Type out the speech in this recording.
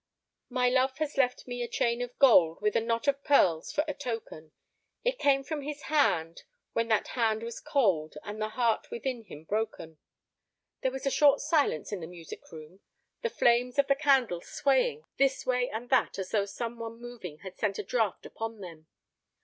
"'My love has left me a chain of gold, With a knot of pearls, for a token. It came from his hand when that hand was cold, And the heart within him broken.'" There was a short silence in the music room, the flames of the candles swaying this way and that as though some one moving had sent a draught upon them.